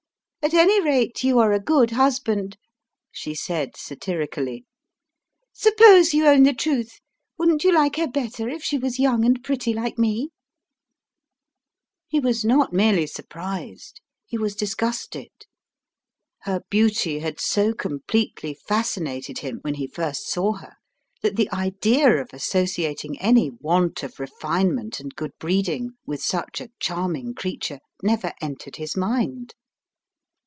"At any rate, you are a good husband," she said, satirically. "Suppose you own the truth: wouldn't you like her better if she was young and pretty like me ?" He was not merely surprised, he was disgusted. Her beauty had so completely fascinated him when he first saw her that the idea of associating any want of refinement and good breeding with such a charming creature never entered his mind.